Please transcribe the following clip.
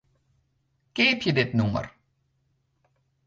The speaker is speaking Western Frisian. Keapje dit nûmer.